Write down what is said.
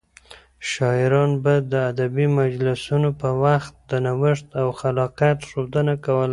شاعران به د ادبي مجلسونو په وخت د نوښت او خلاقيت ښودنه کوله.